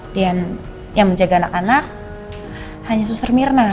dan yang menjaga anak anak hanya suster mirna